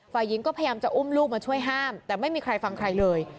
ฝ่ายหญิงก็พยายามจะอุ้มลูกมาช่วยห้ามแต่ไม่มีใครฟังใครเลย